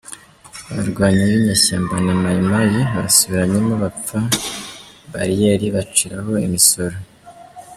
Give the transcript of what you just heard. Abarwanyi binyeshyamba na Mayi Mayi basubiranyemo bapfa bariyeri baciraho imisoro